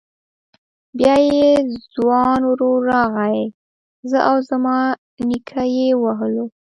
بيا يې ځوان ورور راغی زه او زما نيکه يې ووهلو.